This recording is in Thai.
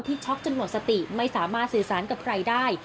ช็อกจนหมดสติไม่สามารถสื่อสารกับใครได้